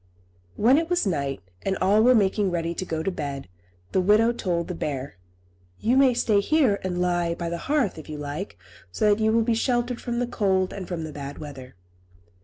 When it was night, and all were making ready to go to bed, the widow told the bear, "You may stay here and lie by the hearth, if you like, so that you will be sheltered from the cold and from the bad weather."